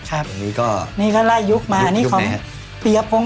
อันนี้ก็ไรและยุคมั้น